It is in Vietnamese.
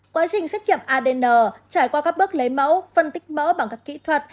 quá trình xét nghiệm adn trải qua các bước lấy mẫu phân tích mẫu bằng các kỹ thuật